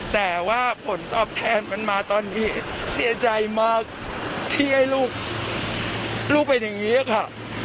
แต่ว่าผลตอบแทนมันมาตอนนี้เสียใจมากที่ให้ลูกเป็นอย่างนี้ค่ะ